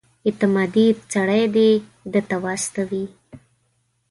اعتمادي سړی دې ده ته واستوي.